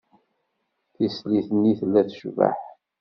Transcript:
Tislit-nni tella tecbeḥ.